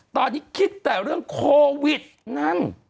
ตอนนี้คิดแต่เรื่องโควิดนั่น